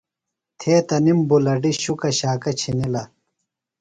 تھے تںِم بُلَڈیۡ شُکہ شاکہ چِھنِلہ۔